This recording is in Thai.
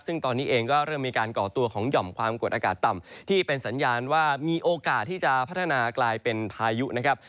ซึ่งตอนนี้เองก็เริ่มมีการก่อตัวของหย่อมความกดอากาศต่ำที่เป็นสัญญาณว่ามีโอกาสที่จะพัฒนากลายเป็นพายุนะครับ